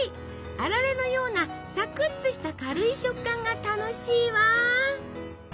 あられのようなサクッとした軽い食感が楽しいわ！